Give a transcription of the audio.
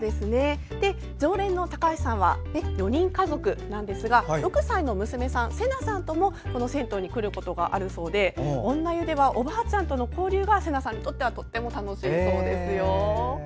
常連の高橋さんは４人家族なんですが６歳の娘さん、せなさんともこの銭湯に来ることがあるそうで女湯ではおばあちゃんたちとの交流がせなさんにとってはとっても楽しいそうですよ。